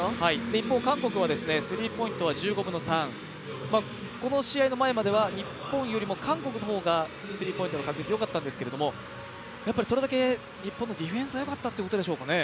一方、韓国はスリーポイントは１５分の３この試合の前までは、日本よりも韓国の方がスリーポイントの確率、よかったんですけどやっぱり、それだけ日本のディフェンスがよかったということですかね。